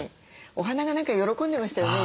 お花が何か喜んでましたよね